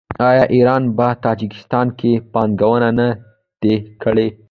آیا ایران په تاجکستان کې پانګونه نه ده کړې؟